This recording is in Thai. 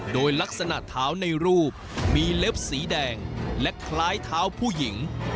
โดยลักษณะเท้าในรูปมีเล็บสีแดงและคล้ายเท้าผู้หญิง